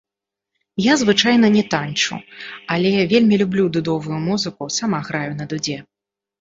Я звычайна не таньчу, але вельмі люблю дудовую музыку, сама граю на дудзе.